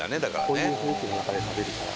こういう雰囲気の中で食べるから。